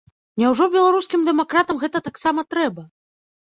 Няўжо беларускім дэмакратам гэта таксама трэба?